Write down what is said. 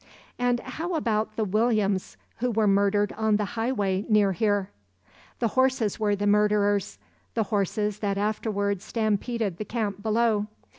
"And how about the Williams's who were murdered on the Highway near here?" "The horses were the murderers; the horses that afterwards stampeded the camp below.